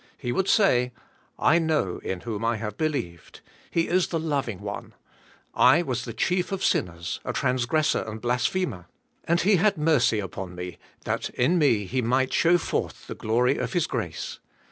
He would say, ''I know in whom I have be lieved. He is the loving One. 1 was the chief of sinners — a transgressor and blasphemer — and He 226 THE SPIRITUAI, I,IFK. had mercy upon me that in me He might show forth the glory of His grace."